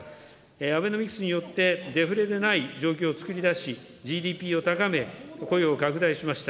アベノミクスによって、デフレでない状況をつくり出し、ＧＤＰを高め、雇用拡大しました。